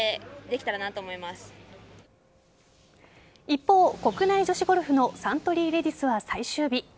一方、国内女子ゴルフのサントリーレディスは最終日。